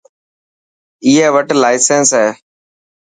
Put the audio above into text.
ائي وٽ لاسينس هي.